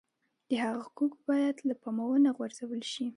د هغه حقوق باید له پامه ونه غورځول شي.